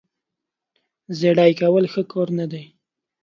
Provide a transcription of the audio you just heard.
زیړې کول ښه کار نه دی.